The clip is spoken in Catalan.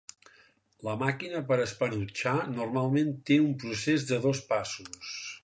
La màquina per espanotxar normalment té un procés de dos passos.